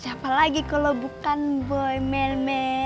apalagi kalau bukan boy mel mel